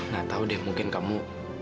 nah tahu deh mungkin kamu